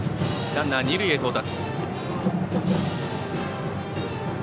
ランナー、二塁へ到達。